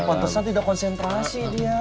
pantesan tidak konsentrasi dia